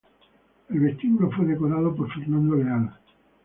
El vestíbulo fue decorado por Fernando Leal.